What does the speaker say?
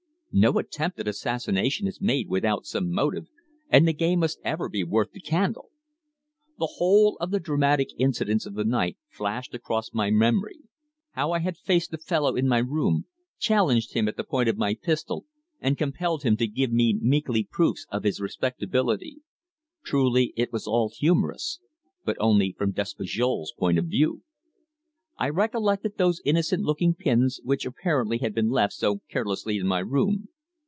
No attempt at assassination is made without some motive, and the game must ever be "worth the candle." The whole of the dramatic incidents of the night flashed across my memory; how I had faced the fellow in my room, challenged him at the point of my pistol, and compelled him to give me meekly proofs of his respectability. Truly it was all humorous but only from Despujol's point of view. I recollected those innocent looking pins which apparently had been left so carelessly in my room.